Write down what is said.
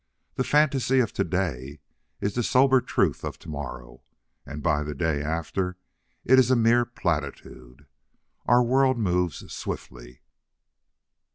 The fantasy of to day is the sober truth of to morrow. And by the day after, it is a mere platitude. Our world moves swiftly.